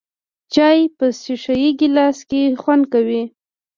چای په ښیښه یې ګیلاس کې خوند کوي .